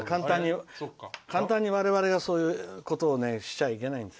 簡単に我々が、そういうことをしちゃいけないんです。